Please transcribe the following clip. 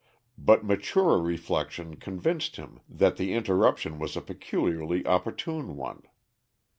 But maturer reflection convinced him that the interruption was a peculiarly opportune one.